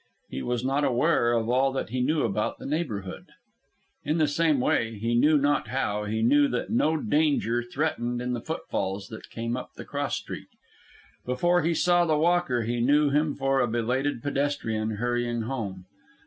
He was not aware of all that he knew about the neighbourhood. In the same way, he knew not how, he knew that no danger threatened in the footfalls that came up the cross street. Before he saw the walker, he knew him for a belated pedestrian hurrying home.